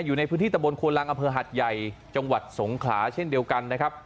อยู่ในพื้นที่ตะบนควนลังอำเภอหัดใหญ่จังหวัดสงขลาเช่นเดียวกันนะครับ